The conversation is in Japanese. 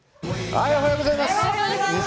おはようございます。